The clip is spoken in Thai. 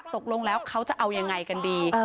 ตกลงแล้วเขาจะเอายังไงกันดี